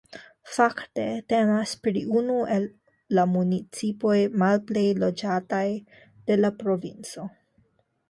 Fakte temas pri unu el la municipoj malplej loĝataj de la provinco.